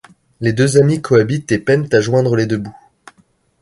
Les deux amies cohabitent et peinent à joindre les deux bouts.